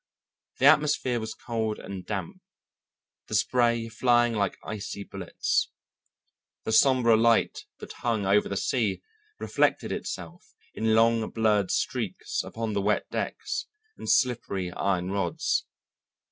The atmosphere was cold and damp, the spray flying like icy bullets. The sombre light that hung over the sea reflected itself in long blurred streaks upon the wet decks and slippery iron rods.